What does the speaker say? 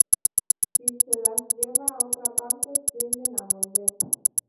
Si se las lleva a otra parte tienden a volver.